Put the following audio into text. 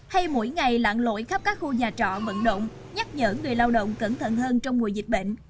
hay mỗi ngày lạng lội khắp các khu nhà trọ vận động nhắc nhở người lao động cẩn thận hơn trong mùa dịch bệnh